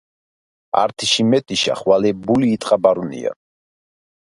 ართიში მეტიშა ხვალე ბული იტყაბარუნია